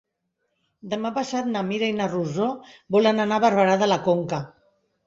Demà passat na Mira i na Rosó volen anar a Barberà de la Conca.